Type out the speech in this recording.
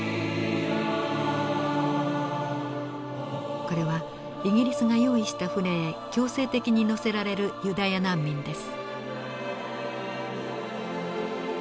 これはイギリスが用意した船へ強制的に乗せられるユダヤ難民です。